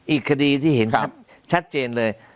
อีกคดีที่เห็นชัดเจนเลย